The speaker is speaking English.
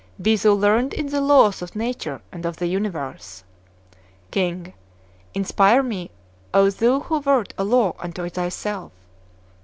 Be thou learned in the laws of nature and of the universe. King. Inspire me, O Thou who wert a Law unto thyself!